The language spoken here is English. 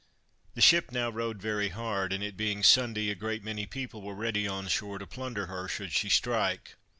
The ship now rode very hard, and it being Sunday a great many people were ready on shore to plunder her, should she strike.